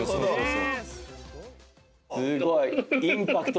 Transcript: すごい。